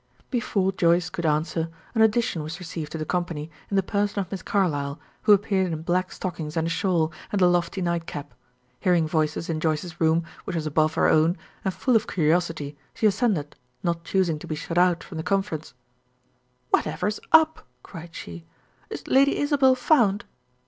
Before Joyce could answer, an addition was received to the company in the person of Miss Carlyle, who appeared in black stockings and a shawl, and the lofty nightcap. Hearing voices in Joyce's room, which was above her own, and full of curiosity, she ascended, not choosing to be shut out from the conference. "Whatever's up?" cried she. "Is Lady Isabel found?"